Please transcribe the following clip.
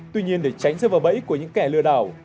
tuy nhiên để tránh sơ vờ bẫy của những kẻ lừa đảo